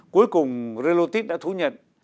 cuối cùng relotip đã thú nhận